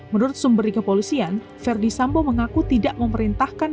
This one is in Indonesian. menurut sumber di kepolisian verdi sambo mengaku tidak memerintahkan